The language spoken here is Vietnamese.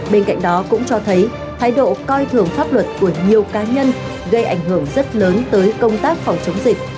bên cạnh đó cũng cho thấy thái độ coi thường pháp luật của nhiều cá nhân gây ảnh hưởng rất lớn tới công tác phòng chống dịch